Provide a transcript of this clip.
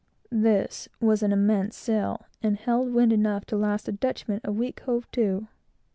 This was an immense sail, and held wind enough to last a Dutchman a week, hove to.